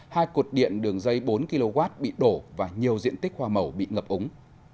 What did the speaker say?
hai cuộc điện đường dây bốn kw bị đổ và nhiều diện tích hoa màu bị ngập ống